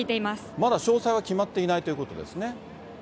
まだ詳細は決まっていないということですね。